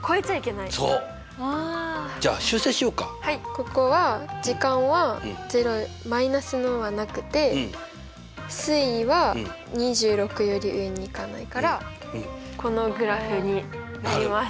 ここは時間はマイナスのはなくて水位は２６より上に行かないからこのグラフになります。